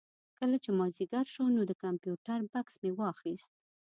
کله چې مازدیګر شو نو د کمپیوټر بکس مې واخېست.